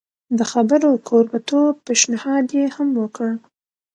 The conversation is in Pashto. د خبرو کوربه توب پېشنهاد یې هم وکړ.